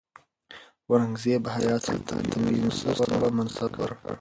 اورنګزیب حیات سلطان ته پنځه سوه منصب ورکړ.